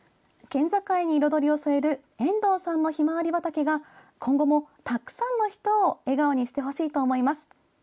県境に彩りを添える遠藤さんのひまわり畑が今後も、たくさんの人を笑顔にしてほしいと思います。